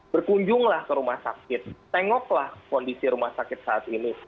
berkunjunglah ke rumah sakit tengoklah kondisi rumah sakit saat ini